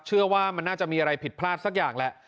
เชื่อว่ามันน่าจะมีอะไรผิดพลาดสักอย่างแหละ